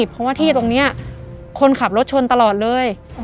เพราะว่าที่ตรงนี้คนขับรถชนตลอดเลย